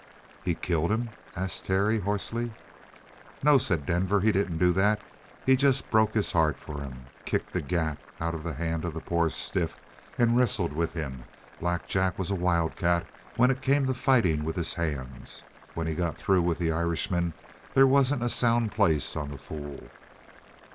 "He killed him?" asked Terry hoarsely. "No," said Denver, "he didn't do that. He just broke his heart for him. Kicked the gat out of the hand of the poor stiff and wrestled with him. Black Jack was a wildcat when it come to fighting with his hands. When he got through with the Irishman, there wasn't a sound place on the fool.